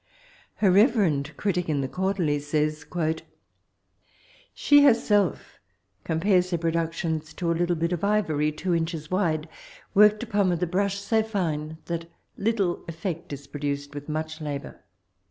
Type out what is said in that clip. Her reverend j critic in the Quarterly truly says, ''She herself compares her produo tions to a little oit of ivorjr, two inches wide, worked upon with a brush so fine that little effect is pro duced with much labour.